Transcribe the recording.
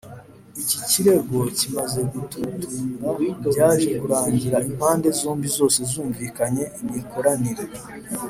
iki kirego kimaze gututumba byaje kurangira impande zombi zose zumvikanye imikoranire